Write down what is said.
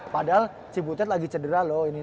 padahal cibutet lagi cedera loh ini